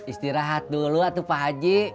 istirahat dulu lah tuh pak haji